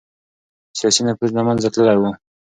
سياسي نفوذ له منځه تللی و.